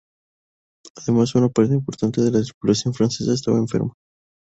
Además, una parte importante de la tripulación francesa estaba enferma.